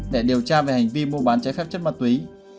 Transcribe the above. để điều tra về hành vi mua bán trái phép chất ma túy